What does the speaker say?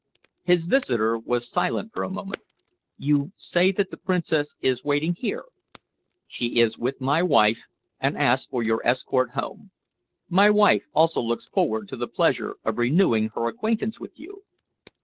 His visitor was silent for a moment. "You say that the Princess is waiting here?" "She is with my wife and asks for your escort home. My wife also looks forward to the pleasure of renewing her acquaintance with you."